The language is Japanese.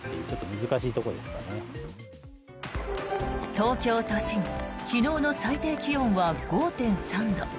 東京都心昨日の最低気温は５．３度。